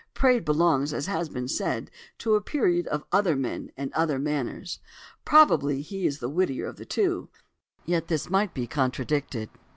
Praed belongs, as has been said, to a period of other men and other manners. Probably he is the wittier of the two; yet this might be contradicted.